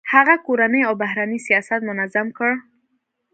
هغه کورنی او بهرنی سیاست منظم کړ.